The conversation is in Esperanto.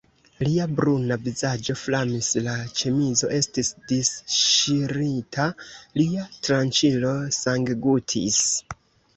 Lia bruna vizaĝo flamis, la ĉemizo estis disŝirita, lia tranĉilo sanggutis.